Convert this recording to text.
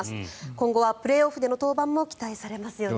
今後はプレーオフでの登板も期待されますよね。